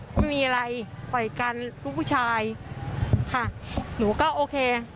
ไม่มีอะไรต่อยกันลูกผู้ชายค่ะหนูก็โอเค